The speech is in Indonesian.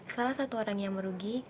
salah satu orang yang merugi